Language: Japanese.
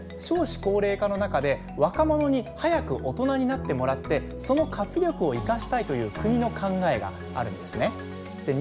少子高齢化の中で若者に早く大人になってもらってその活力を生かしたいという国の考えがあるんですね。